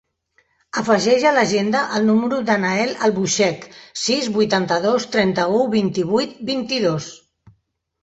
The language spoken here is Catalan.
Afegeix a l'agenda el número del Nael Albuixech: sis, vuitanta-dos, trenta-u, vint-i-vuit, vint-i-dos.